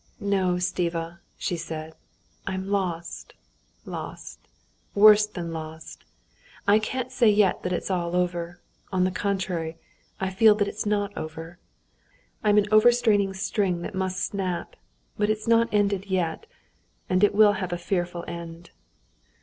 "No, Stiva," she said, "I'm lost, lost! worse than lost! I can't say yet that all is over; on the contrary, I feel that it's not over. I'm an overstrained string that must snap. But it's not ended yet ... and it will have a fearful end."